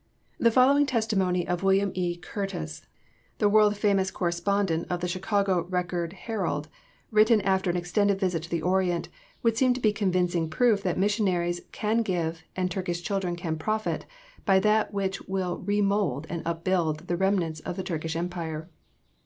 ] The following testimony of William E. Curtiss, the world famous correspondent of the Chicago Record Herald, written after an extended visit to the Orient, would seem to be convincing proof that missionaries can give and Turkish children can profit by that which will re mould and upbuild the remnants of the Turkish Empire.